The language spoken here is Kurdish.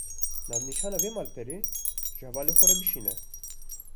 Navnîşana vê malperê, ji hevalê xwe re bişîne